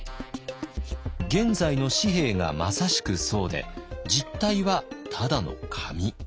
現在の紙幣がまさしくそうで実体はただの紙。